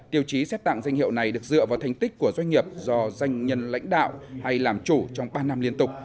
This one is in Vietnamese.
tiêu chí xét tặng danh hiệu này được dựa vào thành tích của doanh nghiệp do doanh nhân lãnh đạo hay làm chủ trong ba năm liên tục